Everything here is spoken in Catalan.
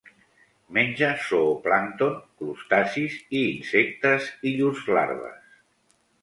Menja zooplàncton, crustacis i insectes i llurs larves.